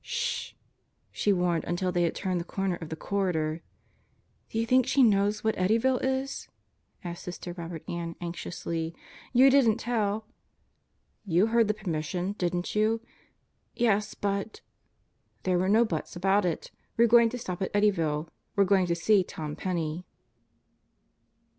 "Sh!" ... she warned until they had turned the corner of the corridor. "Do you think she knows what Eddyville is?" asked Sister Robert Ann anxiously. "You didn't tell ..." "You heard the permission, didn't you?" "Yes, but ..." "There were no 'buts' about it. We're going to stop at Eddy ville. We're going to see Tom Penney."